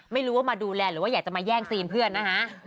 ไม่รู้ว่ามาดูแลหรือว่าอยากจะมาแย่งซีนเพื่อนนะฮะ